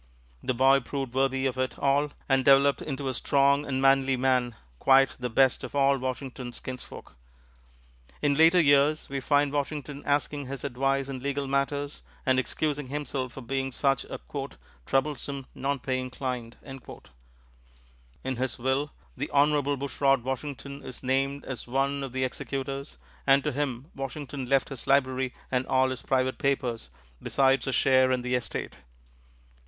The boy proved worthy of it all, and developed into a strong and manly man quite the best of all Washington's kinsfolk. In later years, we find Washington asking his advice in legal matters and excusing himself for being such a "troublesome, non paying client." In his will the "Honorable Bushrod Washington" is named as one of the executors, and to him Washington left his library and all his private papers, besides a share in the estate.